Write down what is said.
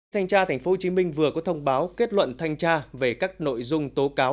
thanh tra tp hcm vừa có thông báo kết luận thanh tra về các nội dung tố cáo